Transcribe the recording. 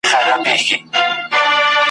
د غم سړې شپې `